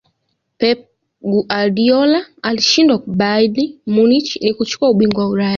pep guardiola alichoshindwa bayern munich ni kuchukua ubingwa wa ulaya